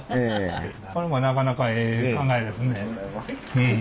これもなかなかええ考えですね。